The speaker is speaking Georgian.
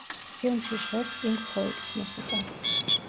ფილმში ჟღერს პინკ ფლოიდის მუსიკა.